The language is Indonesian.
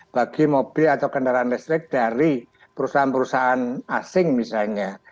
bagi mobil atau kendaraan listrik dari perusahaan perusahaan asing misalnya